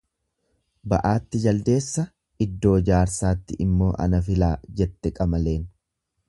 Ba'aatti jaldeessa, iddoo jaarsaatti immoo ana filaa jette qamaleen.